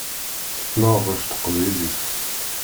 Tettnaɣ ɣef teqbaylit.